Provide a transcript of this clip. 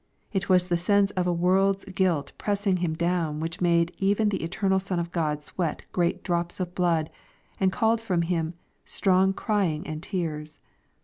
It was the sense of a world's guilt pressing Him down which made even the eternal Son of Grod sweat great drops of blood, and called from Him " strong crying and tears."